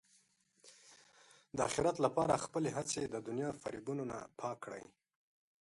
د اخرت لپاره خپلې هڅې د دنیا فریبونو نه پاک کړئ.